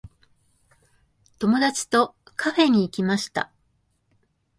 友達とカフェに行きました。